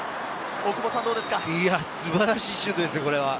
いや、素晴らしいシュートですよ、これは。